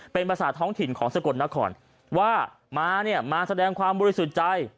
เป็นภาษาท้องถิ่นของสกลนครว่ามาเนี่ยมาแสดงความบริสุทธิ์ใจ